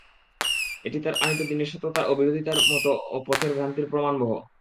এটা তার আনীত দীনের সত্যতার ও বিরোধীদের মত ও পথের ভ্রান্তির প্রমাণবহ।